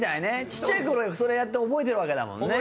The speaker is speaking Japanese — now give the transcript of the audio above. ちっちゃい頃それやって覚えてるわけだもんね。